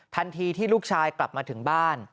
ทันทีที่ลูกชายกลับมาถึงบ้าน